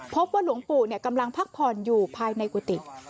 พบว่าหลวงปู่กำลังพักผ่อนอยู่ภายในกุฏิ